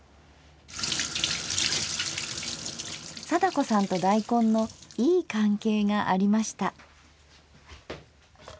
貞子さんと大根のいい関係がありました。